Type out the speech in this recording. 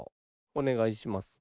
おねがいします。